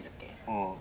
うん。